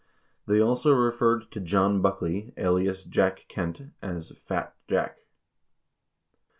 They also referred to John Buckley, alias Jack Kent, as "Fat Jack."